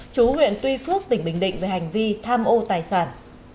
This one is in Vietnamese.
chú huyện tuy phước tỉnh bình định về hành vi tham ô tài sản